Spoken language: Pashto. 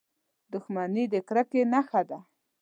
• دښمني د کرکې نښه ده.